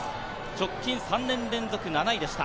直近３年連続７位でした。